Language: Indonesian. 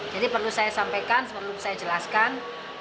jadi perlu saya sampaikan perlu saya jelaskan